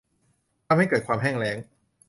ทำให้เกิดความแห้งแล้ง